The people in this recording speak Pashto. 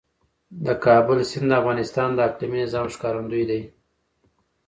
د کابل سیند د افغانستان د اقلیمي نظام ښکارندوی دی.